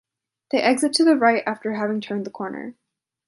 They exit to the right after having turned the corner.